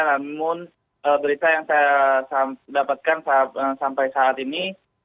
namun berita yang saya dapatkan sampai saat ini